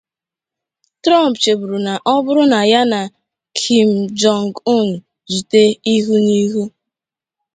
Trump cheburu na ọ bụrụ na ya na Kim Jong-un zute ihu na ihu